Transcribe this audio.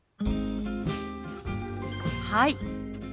「はい」